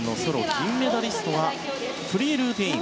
銀メダリストはフリールーティン